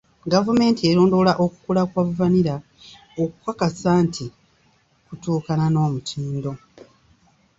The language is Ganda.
Gavumenti erondoola okukula kwa vanilla okukakasa nti kutuukaana n'omutindo.